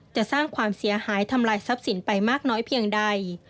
จะสร้างความเสียหายทำลายทรัพย์สินไปมากน้อยเพียงใด